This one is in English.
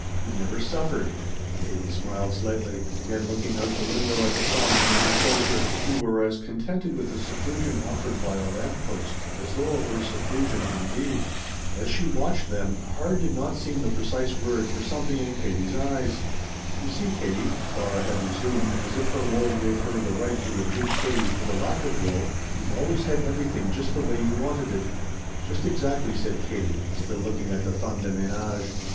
_ You've never suffered." Katie smiled slightly, again looking out the window at the femme and her soldier, who were as contented with the seclusion offered by a lamp post as though it were seclusion indeed. As she watched them, "hard" did not seem the precise word for something in Katie's eyes. "You see, Katie," Clara had resumed, as if her woe gave her the right to rebuke Katie for the lack of woe, "you've always had everything just the way you wanted it." "Just exactly," said Katie, still looking at the _femme de menage.